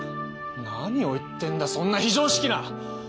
何を言ってんだそんな非常識な！